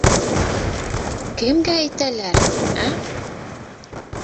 — Кемгә әйтәләр, ә!